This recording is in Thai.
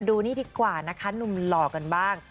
ดูนี่ดีกว่านะคะหนุ่มหล่อกันบ้าง